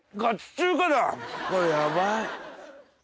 これヤバい。